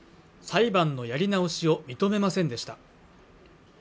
裁判のやり直しを認めませんでした